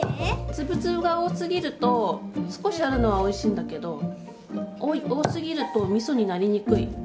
粒々が多すぎると少しあるのはおいしいんだけど多すぎるとみそになりにくい。